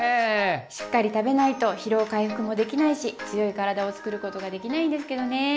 しっかり食べないと疲労回復もできないし強い体をつくることができないんですけどね。